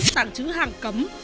tạng chứng hàng